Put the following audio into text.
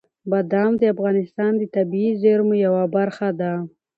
بادام د افغانستان د طبیعي زیرمو یوه برخه ده.